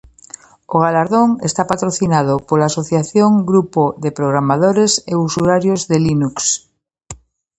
O galardón está patrocinado pola asociación Grupo de Programadores e Usuarios de Linux.